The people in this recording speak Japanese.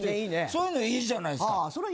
そういうのいいじゃないですか。